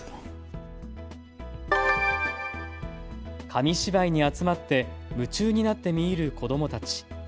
紙芝居に集まって夢中になって見入る子どもたち。